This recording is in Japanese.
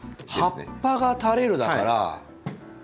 葉っぱが垂れるだから。